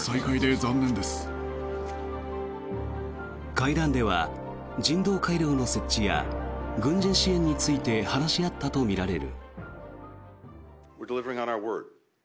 会談では人道回廊の設置や軍事支援について話し合ったとみられる。